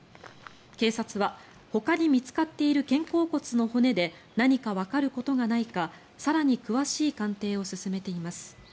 警察はほかに見つかっている肩甲骨の骨で何かわかることがないか更に詳しい鑑定を進めています。